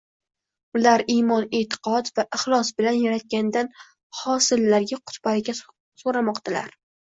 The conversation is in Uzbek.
Ular imon-e'tiqod va ixlos bilan Yaratgandan hosillarga qut-baraka so‘ramokdalar